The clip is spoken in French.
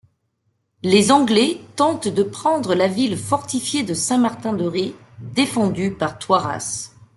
Les Anglais tentent de prendre la ville fortifiée de Saint-Martin-de-Ré défendue par Toiras.